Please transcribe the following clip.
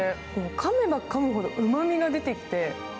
かめばかむほどうま味が出てきて。